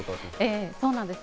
そうなんです。